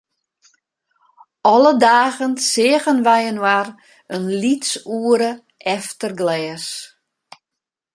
Alle dagen seagen wy inoar in lyts oere, efter glês.